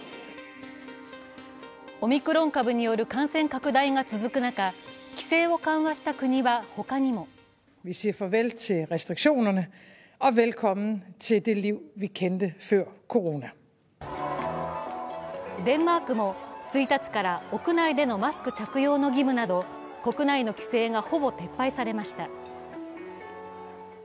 オミクロン株による感染拡大が続く中、規制を緩和した国はほかにもデンマークも１日から屋内でのマスク着用の義務など、国内の規制がほぼ撤廃されました。